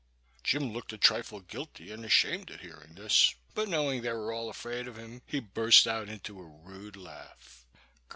Jim looked a trifle guilty and ashamed at hearing this, but knowing they were all afraid of him he burst out into a rude laugh.